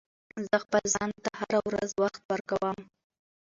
زه خپل ځان ته هره ورځ وخت ورکوم.